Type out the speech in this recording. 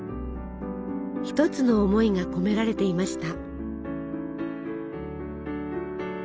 一つの思いが込められていました。